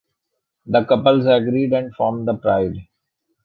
The couples agreed, and formed The Pride.